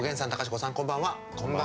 こんばんは。